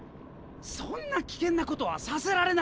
そんな危険なことはさせられない！